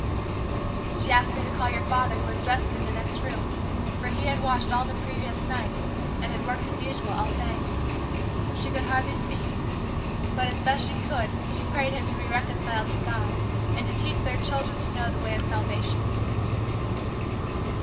"She asked me to call your father who was resting in the next room for he had watched all the previous night and had worked as usual all day. She could hardly speak, but as best she could she prayed him to be reconciled to God and to teach their children to know the way of salvation."